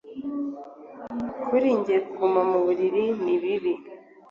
kuri jye kuguma mu mubiri nibibi